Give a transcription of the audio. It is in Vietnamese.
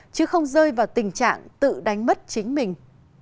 chứ không rơi vào tình trạng tự đánh mất chính mình